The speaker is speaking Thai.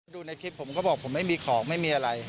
ดูในคลิปผมก็บอกผมไม่มีของไม่มีอะไร